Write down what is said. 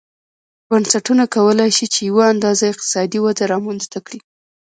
بنسټونه کولای شي چې یوه اندازه اقتصادي وده رامنځته کړي.